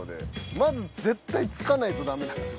まず絶対着かないとダメなんですよ。